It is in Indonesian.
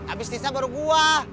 abis tisna baru gue